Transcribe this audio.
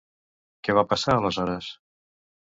Què va passar, aleshores?